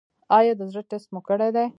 ایا د زړه ټسټ مو کړی دی؟